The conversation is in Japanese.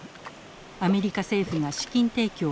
アメリカ政府が資金提供を発表